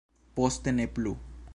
Poste ne plu.